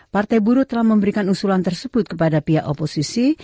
partai buruh telah memberikan usulan tersebut kepada pihak oposisi